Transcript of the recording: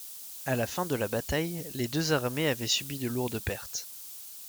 À la fin de la bataille, les deux armées avaient subi de lourdes pertes.